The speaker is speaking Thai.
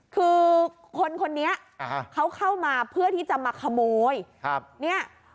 คือคนคนนี้เขาเข้ามาเพื่อที่จะมาขโมยครับเนี่ย